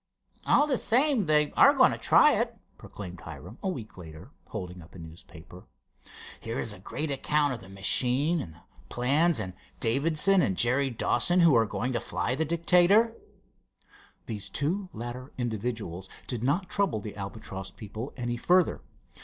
"All the same, they are going to try it," proclaimed Hiram, a week later, holding up a newspaper. "Here is a great account of the machine and the plans, and Davidson and Jerry Dawson, who are going to fly the Dictator." These two latter individuals did not trouble the Albatross people any further.